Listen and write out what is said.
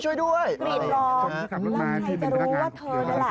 กรีดรองรักใครจะรู้ว่าเธอนั่นแหละ